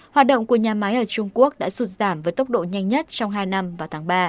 hoạt động của nhà máy ở trung quốc đã sụt giảm với tốc độ nhanh nhất trong hai năm vào tháng ba